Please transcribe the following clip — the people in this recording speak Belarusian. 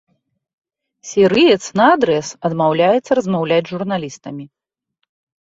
Сірыец наадрэз адмаўляецца размаўляць з журналістамі.